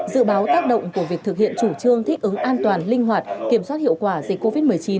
dự báo tác động của việc thực hiện chủ trương thích ứng an toàn linh hoạt kiểm soát hiệu quả dịch covid một mươi chín